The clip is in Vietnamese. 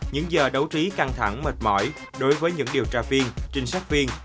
những giờ đấu trí căng thẳng mệt mỏi đối với những điều tra viên trinh sát viên